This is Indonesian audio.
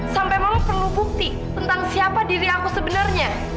sampai memang perlu bukti tentang siapa diri aku sebenarnya